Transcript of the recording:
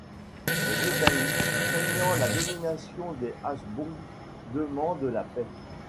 Les Britanniques, craignant la domination des Habsbourg, demandent la paix.